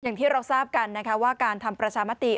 อย่างที่เราทราบกันนะคะว่าการทำประชามติ